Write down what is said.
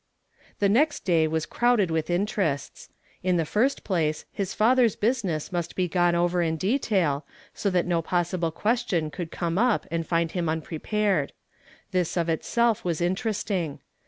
Tlie next day was crowded with interests. In the first place, his father's business mnst be gone over in detail, so that no possible question could come up and find him unprepared. This of itself was interesting.